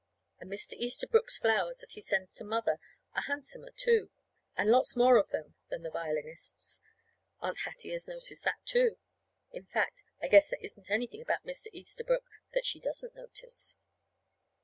And Mr. Easterbrook's flowers that he sends to Mother are handsomer, too, and lots more of them, than the violinist's. Aunt Hattie has noticed that, too. In fact, I guess there isn't anything about Mr. Easterbrook that she doesn't notice.